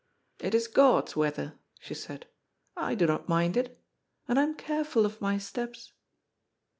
^^ It Lb God's weather," she said, ^* I do not mind it. And I am careful of my steps."